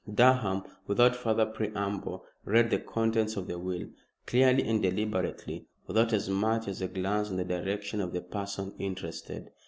Durham, without further preamble, read the contents of the will, clearly and deliberately, without as much as a glance in the direction of the person interested.